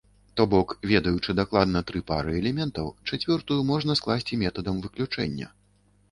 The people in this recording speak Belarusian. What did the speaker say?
То бок, ведаючы дакладна тры пары элементаў, чацвёртую можна скласці метадам выключэння.